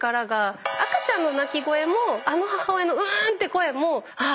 赤ちゃんの泣き声もあの母親のうんって声もああ